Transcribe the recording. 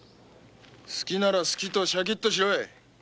好きなら好きとしゃきっとしろい！